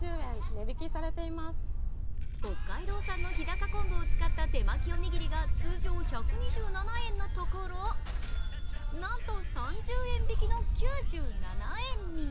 北海道産の日高昆布を使った手巻きおにぎりが通常１２７円のところ、なんと３０円引きの９７円に。